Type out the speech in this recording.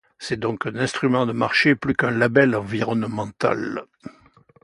C'est donc un instrument de marché plus qu'un label environnemental.